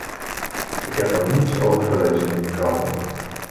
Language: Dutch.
Ik heb er niets over gelezen in de kranten.